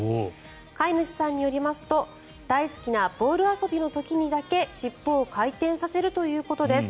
飼い主さんによりますと大好きなボール遊びの時にだけ尻尾を回転させるということです。